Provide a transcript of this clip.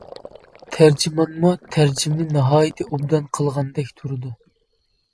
تەرجىمانمۇ تەرجىمىنى ناھايىتى ئوبدان قىلغاندەك تۇرىدۇ.